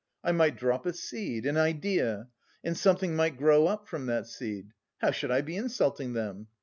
I might drop a seed, an idea.... And something might grow up from that seed. How should I be insulting them?